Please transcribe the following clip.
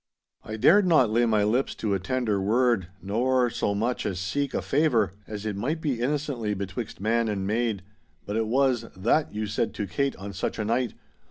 I dared not lay my lips to a tender word nor so much as seek a favour, as it might be innocently betwixt man and maid, but it was "That you said to Kate on such a night!"